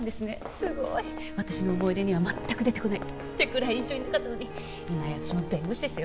すごい私の思い出には全く出てこないってくらい印象になかったのに今や私も弁護士ですよ